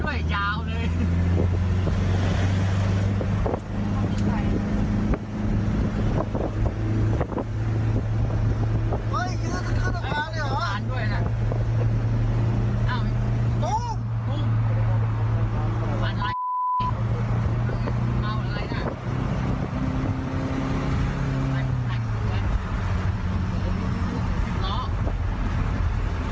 รุ่นรุ่นนี้สุดสุดสุดทุกครั้งครับรุ่นนี้สุดทุกครั้งครับ